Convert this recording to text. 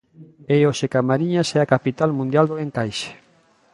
E hoxe Camariñas é a capital mundial do encaixe.